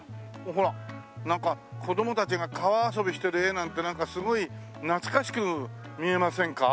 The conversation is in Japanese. ほらなんか子供たちが川遊びしてる画なんてなんかすごい懐かしく見えませんか？